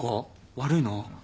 悪いな。